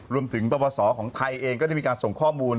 รวมถึงประวัติศาสตร์ของไทยเองก็ได้มีการส่งข้อมูล